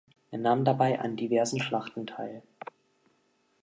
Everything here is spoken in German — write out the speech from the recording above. Er nahm dabei an diversen Schlachten teil.